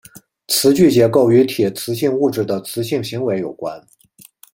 磁矩结构与铁磁性物质的磁性行为有关。